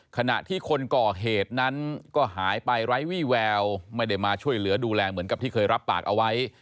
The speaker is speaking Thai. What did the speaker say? ขณะที่คนก่อเหตุนั้นก็หายไปไร้วี่แววไม่ได้มาช่วยเหลือดูแลเหมือนกับที่เคยรับปากเอาไว้